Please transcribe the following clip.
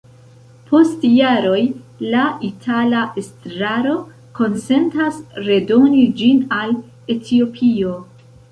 Post jaroj, la itala estraro konsentas redoni ĝin al Etiopio.